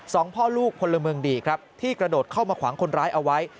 พ่อลูกพลเมืองดีครับที่กระโดดเข้ามาขวางคนร้ายเอาไว้